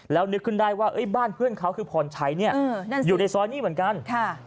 แล้วนึกขึ้นได้ว่าบ้านเพื่อนเขาคือพรชัยเนี่ยอยู่ในซอยนี้เหมือนกัน